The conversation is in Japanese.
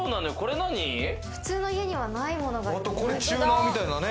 普通の家にはないものが。